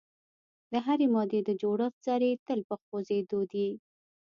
د هرې مادې د جوړښت ذرې تل په خوځیدو دي.